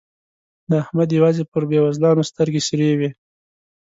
د احمد يوازې پر بېوزلانو سترګې سرې وي.